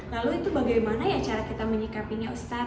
lalu itu bagaimana ya cara kita menyikapinya ustadz